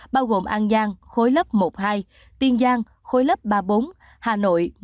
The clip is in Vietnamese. bao gồm an giang tiền giang hà nội